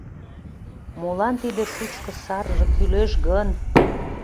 Молан тиде шучко сарже кӱлеш гын?